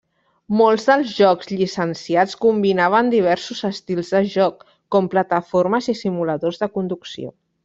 Molts dels jocs llicenciats combinaven diversos estils de joc, com plataformes i simuladors de conducció.